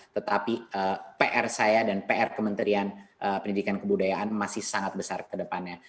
tetapi pr saya dan pr kementerian pendidikan kebudayaan masih sangat besar ke depannya